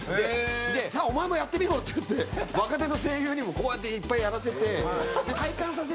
でじゃあお前もやってみろ！って言って若手の声優にもこうやっていっぱいやらせて。